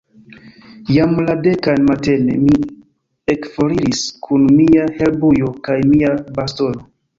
Jam la dekan matene, mi ekforiris kun mia herbujo kaj mia bastono.